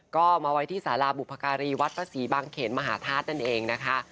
ก็มาไว้ที่สาราบุพการีวัดพระศรีบางเขนมหาธาตุนั่นเองนะคะ